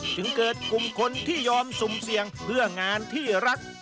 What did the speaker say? จึงเกิดกลุ่มคนที่ยอมสุ่มเสี่ยงเพื่องานที่รัก